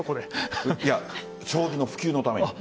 将棋の普及のために。